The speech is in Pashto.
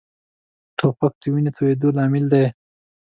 توپک د وینې تویېدو لامل دی.